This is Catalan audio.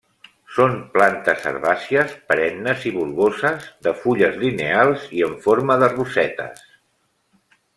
Són plantes herbàcies, perennes i bulboses, de fulles lineals i en forma de rossetes.